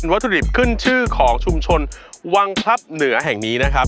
วัตถุดิบขึ้นชื่อของชุมชนวังพลับเหนือแห่งนี้นะครับ